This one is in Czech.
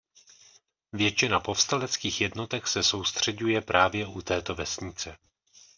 Většina povstaleckých jednotek se soustřeďuje právě u této vesnice.